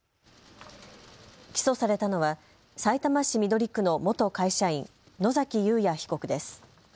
起訴されたのはさいたま市緑区の元会社員、野崎祐也被告です。